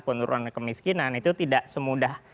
penurunan kemiskinan itu tidak semudah